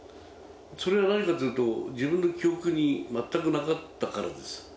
それはなぜかというと、自分の記憶に全くなかったからです。